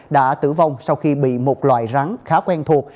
đã tử vong sau khi bị một loại rắn khá quen thuộc